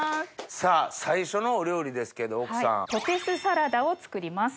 さぁ最初のお料理ですけど奥さん。を作ります。